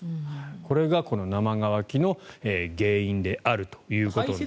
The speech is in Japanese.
これがこの生乾きの原因であるということです。